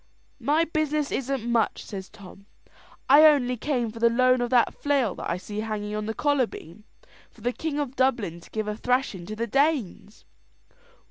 "My business isn't much," says Tom. "I only came for the loan of that flail that I see hanging on the collar beam, for the king of Dublin to give a thrashing to the Danes."